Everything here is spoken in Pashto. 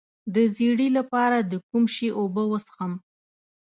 د ژیړي لپاره د کوم شي اوبه وڅښم؟